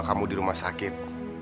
kamu di rumah sakit